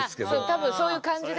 多分そういう感じで。